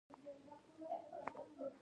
سپوږمۍ د اسلام، هنر او ادبیاتو یوه نښه ده